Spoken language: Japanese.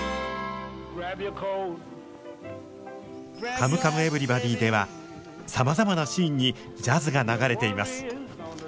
「カムカムエヴリバディ」ではさまざまなシーンにジャズが流れています。